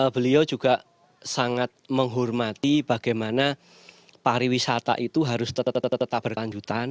beliau juga sangat menghormati bagaimana pariwisata itu harus tetap berkelanjutan